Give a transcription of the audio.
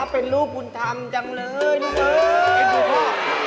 เป็นดูน้อง